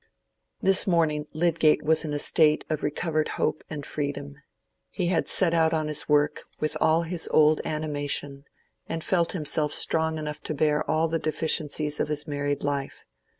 This morning Lydgate was in a state of recovered hope and freedom. He had set out on his work with all his old animation, and felt himself strong enough to bear all the deficiencies of his married life.